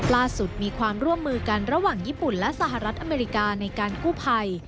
ล่าสุดมีความร่วมมือกันระหว่างญี่ปุ่นและสหรัฐอเมริกาในการกู้ภัย